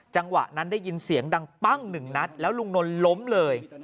จังหวะนั้นได้ยินเสียงดังปั้งหนึ่งนัดแล้วลุงนนท์ล้มเลย